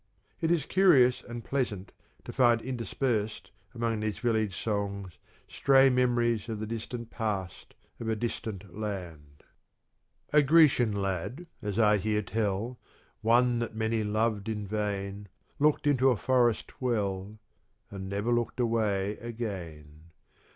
It is curious and pleasant to find interspersed among these village songs stray memories of the distant past of a distant land : A Grecian lad, as I hear tell, One that many loved in vain, Looked into a forest well And never looked away again.